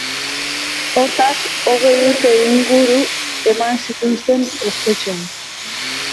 Hortaz, hogei urte inguru eman zituzten espetxean.